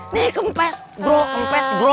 ini kempes bro kempes bro